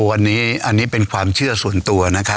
วันนี้อันนี้เป็นความเชื่อส่วนตัวนะครับ